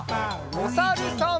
おさるさん。